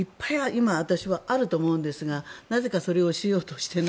今、私はあると思うんですがなぜかそれをしようとしていない。